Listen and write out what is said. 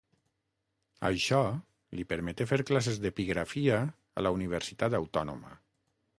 Això li permeté fer classes d'epigrafia a la Universitat Autònoma.